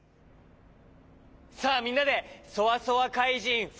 さあみんなでそわそわかいじん